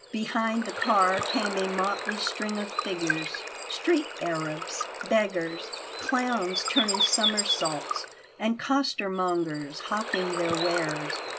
Behind the car came a motley string of figures street Arabs, beggars, clowns turning somersaults, and costermongers hawking their wares.